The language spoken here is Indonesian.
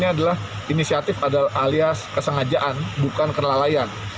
ini adalah inisiatif yang dihasilkan oleh bapak ibu bapak ibu bapak ibu